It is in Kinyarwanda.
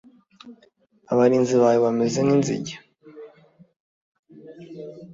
Abarinzi bawe bameze nk’inzige